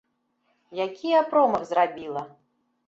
Які я промах зрабіла!